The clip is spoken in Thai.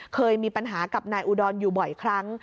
เคยมีปัญหากับนายอุดรอยู่บ่อยครั้ง